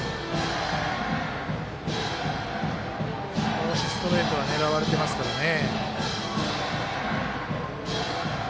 少しストレートは狙われてますからね。